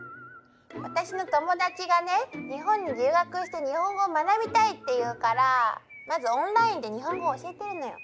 私の友達がね日本に留学して日本語を学びたいって言うからまずオンラインで日本語教えてるのよ。